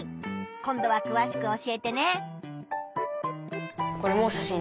今度はくわしく教えてね。